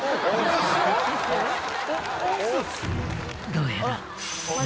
「どうやら」